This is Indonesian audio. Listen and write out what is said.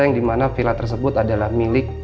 yang dimana villa tersebut adalah milik